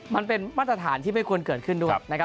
มันเป็นมาตรฐานที่ไม่ควรเกิดขึ้นด้วยนะครับ